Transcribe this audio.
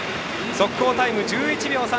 速報タイム１１秒３６。